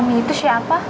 ami itu siapa